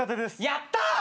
やったー！